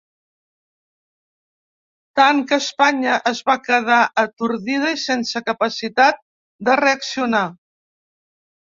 Tant que Espanya es va quedar atordida i sense capacitat de reaccionar.